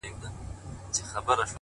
په خپل کور کي یې پردی پر زورور دی؛